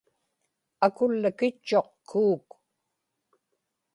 akullakitchuq kuuk